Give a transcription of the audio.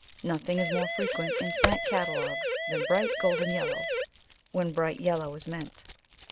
Nothing is more frequent in plant catalogues than "bright golden yellow," when bright yellow is meant.